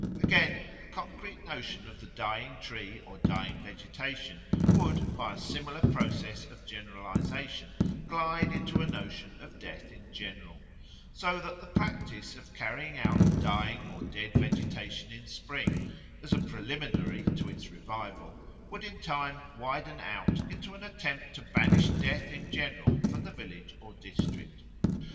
Again, the concrete notion of the dying tree or dying vegetation would by a similar process of generalisation glide into a notion of death in general; so that the practice of carrying out the dying or dead vegetation in spring, as a preliminary to its revival, would in time widen out into an attempt to banish Death in general from the village or district.